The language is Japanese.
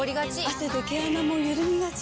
汗で毛穴もゆるみがち。